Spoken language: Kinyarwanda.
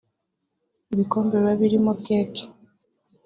ibikombe biba birimo; keke